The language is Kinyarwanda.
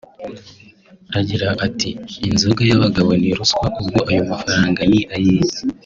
Agira ati “Inzoga y’abagabo ni ruswa…ubwo ayo mafaranga ni ay’iki